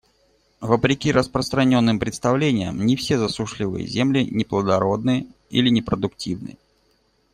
Вопреки распространенным представлениям, не все засушливые земли неплодородны или непродуктивны.